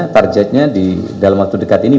target nya di dalam waktu dekat ini